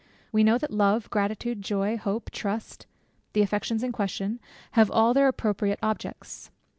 We know that love, gratitude, joy, hope, trust, (the affections in question) have all their appropriate objects.